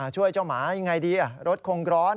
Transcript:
ช่วยเจ้าหมายังไงดีรถคงร้อน